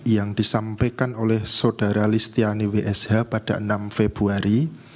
yang disampaikan oleh saudara listiani wsh pada enam februari